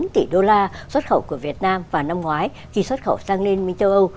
bốn tỷ đô la xuất khẩu của việt nam vào năm ngoái khi xuất khẩu sang liên minh châu âu